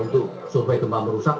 untuk survei gempa merusak